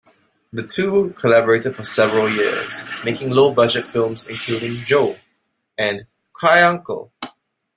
The two collaborated for several years, making low-budget films including "Joe" and "Cry Uncle!